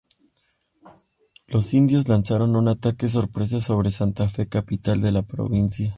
Los indios lanzaron un ataque sorpresa sobre Santa Fe, capital de la provincia.